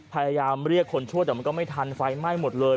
พยายามเรียกคนช่วยแต่มันก็ไม่ทันไฟไหม้หมดเลย